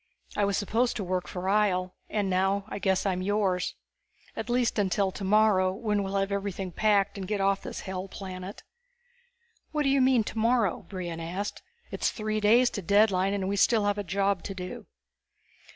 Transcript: I was supposed to work for Ihjel, and now I guess I'm yours. At least until tomorrow, when we'll have everything packed and get off this hell planet." "What do you mean, tomorrow?" Brion asked. "It's three days to deadline and we still have a job to do."